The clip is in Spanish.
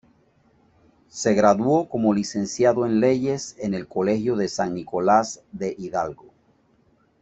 Se graduó como licenciado en leyes en el Colegio de San Nicolás de Hidalgo.